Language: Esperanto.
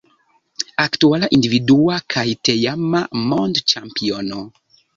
Aktuala individua kaj teama mondĉampiono.